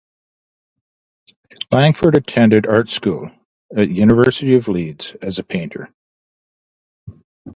Langford attended art school at University of Leeds as a painter.